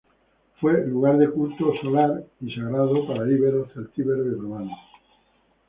Fue lugar de cultos solares y sagrado para íberos, celtíberos y romanos.